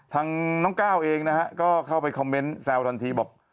ทางน้องก้าวเองนะฮะก็เข้าไปคอมเมนต์แซวทันทีบอก